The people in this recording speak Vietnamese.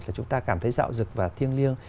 là chúng ta cảm thấy dạo rực và thiêng liêng